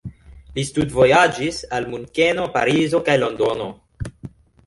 Li studvojaĝis al Munkeno, Parizo kaj Londono.